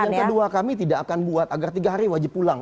yang kedua kami tidak akan buat agar tiga hari wajib pulang